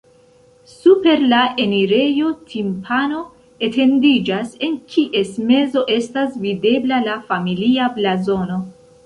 Super la enirejo timpano etendiĝas, en kies mezo estas videbla la familia blazono.